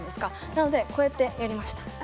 なのでこうやってやりました。